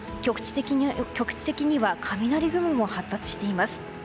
局地的には雷雲も発達しています。